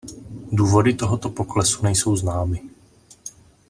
Důvody tohoto poklesu nejsou známy.